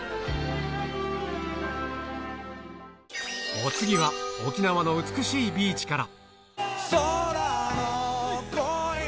お次は、沖縄の美しいビーチから。